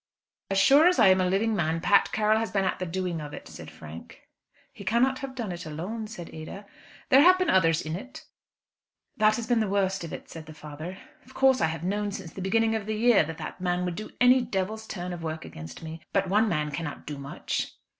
"As sure as I am a living man, Pat Carroll has been at the doing of it," said Frank. "He cannot have done it alone," said Ada. "There have been others in it." "That has been the worst of it," said the father. "Of course I have known since the beginning of the year, that that man would do any devil's turn of work against me. But one man cannot do much."